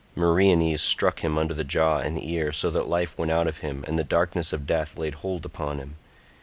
Meriones struck him under the jaw and ear, so that life went out of him and the darkness of death laid hold upon him.